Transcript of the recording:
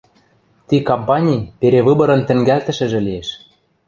— Ти кампани перевыборын тӹнгӓлтӹшӹжӹ лиэш.